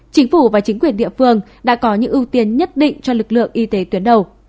chính phủ và chính quyền địa phương đã có những ưu tiên nhất định cho lực lượng y tế tuyến đầu